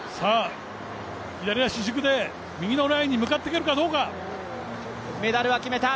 左足軸で右のラインに向かっていけるかどうか。